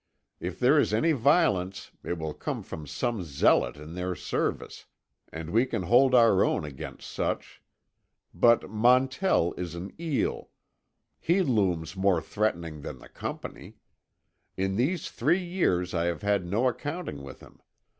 If there is any violence it will come from some zealot in their service, and we can hold our own against such. But Montell is an eel. He looms more threatening than the Company. In these three years I have had no accounting with him.